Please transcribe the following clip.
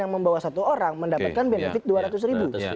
yang membawa satu orang mendapatkan benefit rp dua ratus